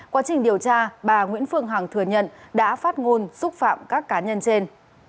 quá trình điều tra bà nguyễn phương hằng thừa nhận đã phát ngôn xúc phạm các cá nhân trên